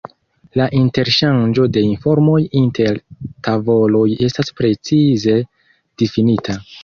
La interŝanĝo de informoj inter tavoloj estas precize difinita.